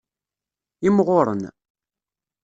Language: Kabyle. Imɣuren.